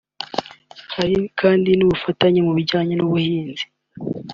Hari kandi n’ubufatanye mu bijyanye n’ubuhinzi